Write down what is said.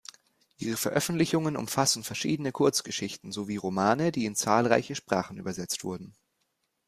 Ihre Veröffentlichungen umfassen verschiedene Kurzgeschichten sowie Romane, die in zahlreiche Sprachen übersetzt wurden.